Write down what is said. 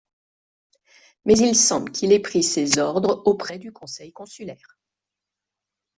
Mais il semble qu'il ait pris ses ordres auprès du conseil consulaire.